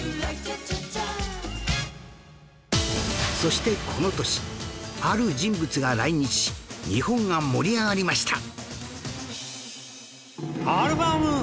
そしてこの年ある人物が来日し日本が盛り上がりました